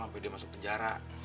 sampai dia masuk penjara